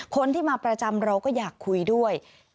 คนที่มาประจำเราก็อยากคุยด้วย